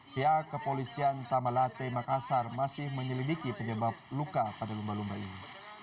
pihak kepolisian tamalate makassar masih menyelidiki penyebab luka pada lumba lumba ini